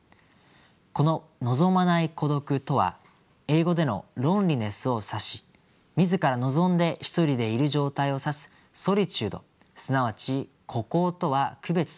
この「望まない孤独」とは英語でのＬｏｎｅｌｉｎｅｓｓを指し「自ら望んでひとりでいる状態」を指すＳｏｌｉｔｕｄｅすなわち「孤高」とは区別されます。